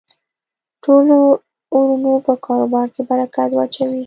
ټولو ورونو په کاربار کی برکت واچوی